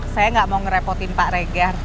saya nggak mau ngerepotin pak regar